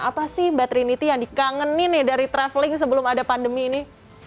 apa sih mbak trinity yang dikangenin nih dari traveling sebelum ada pandemi ini